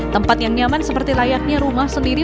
tempat yang nyaman seperti layaknya rumah sendiri